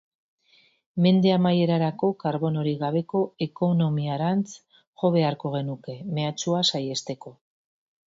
Mende amaierarako karbonorik gabeko ekonomiarantz jo beharko genuke, mehatxua saihesteko.